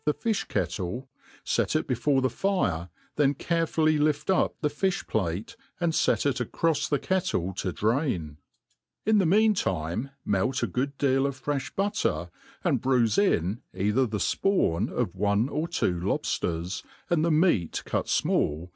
the filh kcttle, kt it before the fire, then carefully lift up the fifh plate, and fet it acrofs the kettle to drain : in the mean time melt a good deal of freti butter, and bruife in either the fpawn of one or two lobAcrs, and the meat cut fmall